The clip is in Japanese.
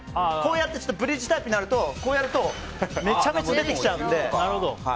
ブリッジタイプになるとめちゃめちゃ出てきちゃうので。